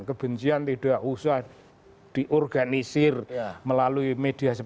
kebencian tidak usah diorganisir melalui media